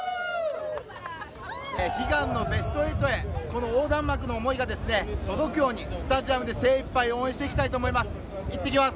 悲願のベスト８へこの横断幕の思いが届くようにスタジアムで精いっぱい応援していきたいと思います。